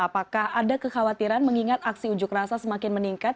apakah ada kekhawatiran mengingat aksi unjuk rasa semakin meningkat